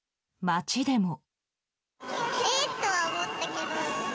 街でも。